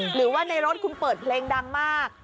หรือว่าในรถคุณเปิดเพลงดังมาก